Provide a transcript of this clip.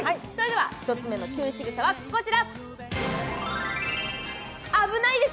１つ目のキュン仕草はこちら。